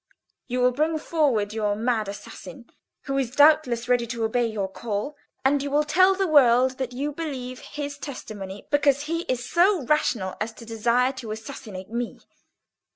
You will bring forward your mad assassin, who is doubtless ready to obey your call, and you will tell the world that you believe his testimony because he is so rational as to desire to assassinate me.